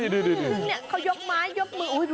ดูจริงมึงเนี่ยเขายกไม้ยกมือ